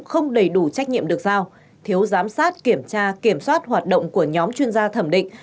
không đầy đủ trách nhiệm được giao thiếu giám sát kiểm tra kiểm soát hoạt động của nhóm chuyên gia thẩm định